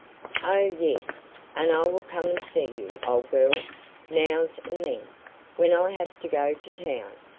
Oh, yes, and I will come and see you, old girl, nows and thens, when I have to go to town.